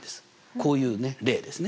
こういう例ですね。